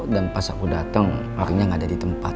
dan pas aku datang orangnya gak ada di tempat